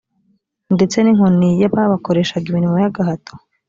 ndetse n inkoni y ababakoreshaga imirimo y agahato